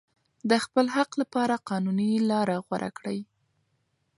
د خپل حق لپاره قانوني لاره غوره کړئ.